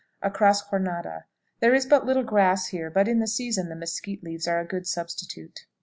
Across Jornada. There is but little grass here, but in the season the mesquite leaves are a good substitute.